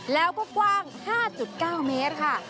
แล้วก็กว้าง๕๙เมตรค่ะ